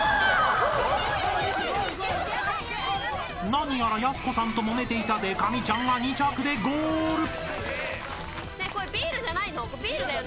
［何やらやす子さんともめていたでか美ちゃんが２着でゴール］